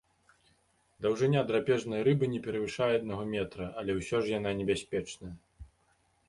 Даўжыня драпежнай рыбы не перавышае аднаго метра, але ўсё ж яна небяспечная.